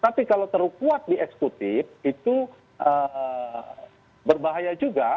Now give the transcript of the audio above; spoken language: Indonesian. tapi kalau terkuat di eksekutif itu berbahaya juga